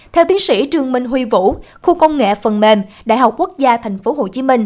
theo tiến sĩ trương minh huy vũ khu công nghệ phần mềm đại học quốc gia tp hcm